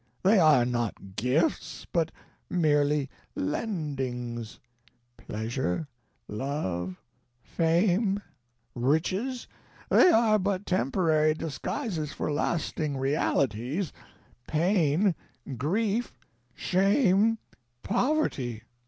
They are not gifts, but merely lendings. Pleasure, Love, Fame, Riches: they are but temporary disguises for lasting realities Pain, Grief, Shame, Poverty.